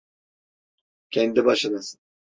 Kendi başınasın.